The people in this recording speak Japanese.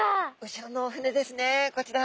後ろのお船ですねこちら。